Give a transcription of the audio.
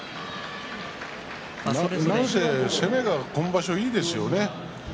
何か攻めが今場所いいですよね。